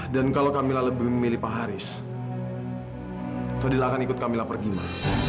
dan kalau kamila lebih memilih pak haris fadil akan ikut kamila pergi ma